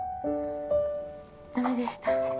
ダメでした。